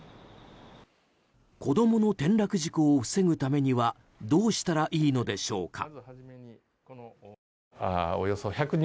子供の転落事故を防ぐためにはどうしたらいいのでしょうか。